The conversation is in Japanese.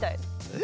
え？